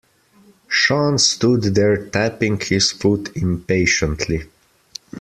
Sean stood there tapping his foot impatiently.